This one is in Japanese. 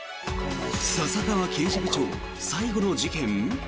笹川刑事部長、最後の事件？